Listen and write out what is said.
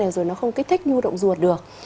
rồi nó không kích thích nhu động ruột được